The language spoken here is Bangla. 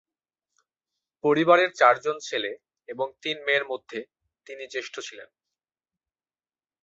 পরিবারের চারজন ছেলে এবং তিন মেয়ের মধ্যে তিনি জ্যেষ্ঠ ছিলেন।